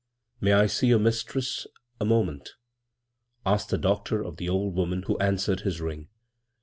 " May I see your mistress a moment 7 " asked the doctor of the old woman who an swered his ring.